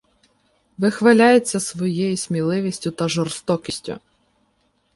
Вихваляється своєю сміливістю та жорстокістю.